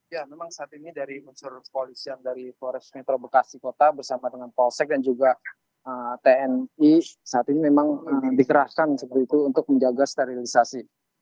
ya memang saat ini dari unsur kepolisian dari forest metro bekasi kota bersama dengan polsek dan juga tni saat ini memang dikerahkan seperti itu untuk menjaga sterilisasi